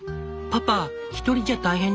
パパ一人じゃ大変でしょ？